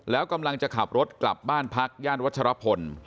แล้วกำลังจะขับรถกลับบ้านพักย่านวัชรพล